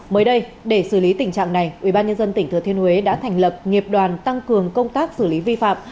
mới đây để xử lý tình trạng này ubnd tỉnh thừa thiên huế đã thành lập nghiệp đoàn tăng cường công tác xử lý vi phạm